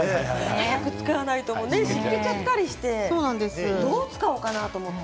早く使わないとしけっちゃったりしてどう使おうかなと思って。